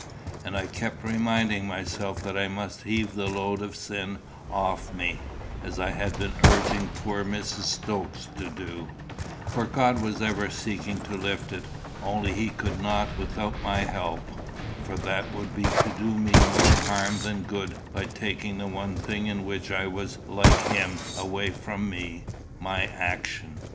And I kept reminding myself that I must heave the load of sin off me, as I had been urging poor Mrs. Stokes to do; for God was ever seeking to lift it, only he could not without my help, for that would be to do me more harm than good by taking the one thing in which I was like him away from me my action.